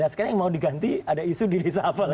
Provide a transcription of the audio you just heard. sekarang yang mau diganti ada isu di reshuffle